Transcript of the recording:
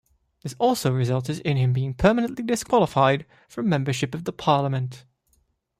This also resulted in him being permanently disqualified from membership of the parliament.